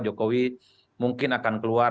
jokowi mungkin akan keluar